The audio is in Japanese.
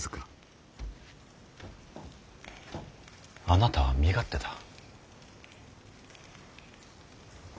あなたは身勝手だ。